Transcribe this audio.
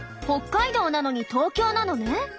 北海道なのに東京なのね。